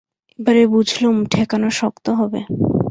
এবারে বুঝলুম, ঠেকানো শক্ত হবে।